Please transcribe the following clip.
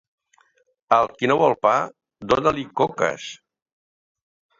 Al qui no vol pa, dona-li coques.